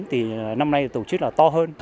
thì tổ chức là to hơn